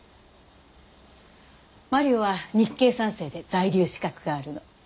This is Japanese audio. マリオは日系三世で在留資格があるの。